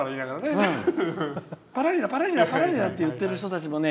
パラリラパラリラっていってる人たちもね